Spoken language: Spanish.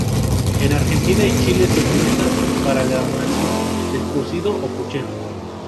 En Argentina y Chile se utiliza para la elaboración del cocido o puchero.